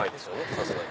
さすがに。